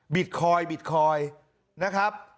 บิตคอยด์นะครับ